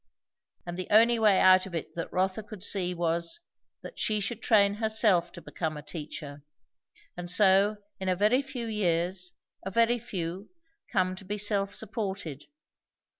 And the only way out of it that Rotha could see, was, that she should train herself to become a teacher; and so, in a very few years, a very few, come to be self supported.